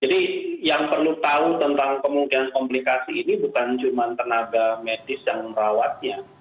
jadi yang perlu tahu tentang kemungkinan komplikasi ini bukan cuma tenaga medis yang merawatnya